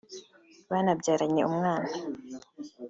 banabyaranye umwana